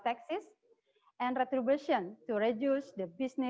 area merah adalah data terbaru